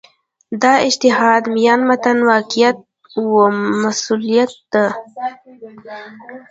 دا اجتهاد میان متن واقعیت و مصلحت ده.